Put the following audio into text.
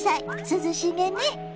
涼しげね。